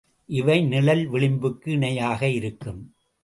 இவை நிழல் விளிம்புக்கு இணையாக இருக்கும்.